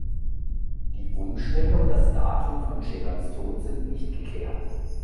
Die Umstände und das Datum von Celans Tod sind nicht geklärt.